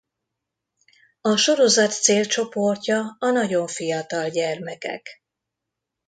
A sorozat célcsoportja a nagyon fiatal gyermekek.